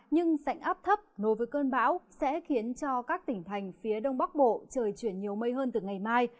nhưng sảnh áp thấp nối với cơn bão sẽ khiến cho các tỉnh thành phía đông bắc bộ trời chuyển nhiều mây hơn từ ngày mai